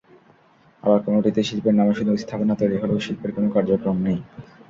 আবার কোনোটিতে শিল্পের নামে শুধু স্থাপনা তৈরি হলেও শিল্পের কোনো কার্যক্রম নেই।